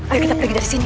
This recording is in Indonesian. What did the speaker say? ayo kita pergi dari sini